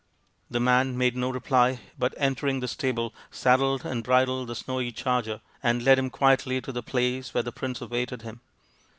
The man made no reply, but, entering the stable, saddled and bridled the snowy charger and led him quietly to the place where the prince awaited him.